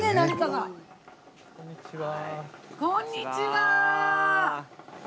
こんにちは。